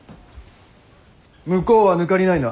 向こうは抜かりないな？